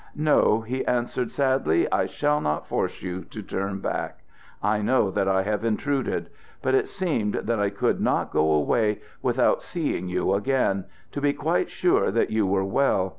"No," he answered sadly; "I shall not force you to turn back. I know that I have intruded. But it seemed that I could not go away without seeing you again, to be quite sure that you were well.